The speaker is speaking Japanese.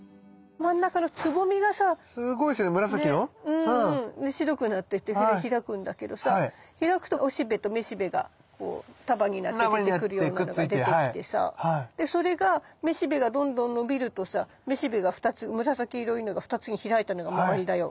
うん。で白くなってって開くんだけどさ開くと雄しべと雌しべがこう束になって出てくるようなのが出てきてさそれが雌しべがどんどん伸びるとさ雌しべが２つ紫色いのが２つに開いたのが周りだよ。